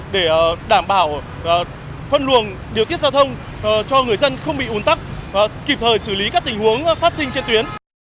để đảm bảo phân luồng điều tiết giao thông cho người dân không bị ủn tắc và kịp thời xử lý các tình huống phát sinh trên tuyến